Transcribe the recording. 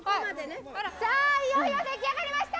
さあ、いよいよ出来上がりました。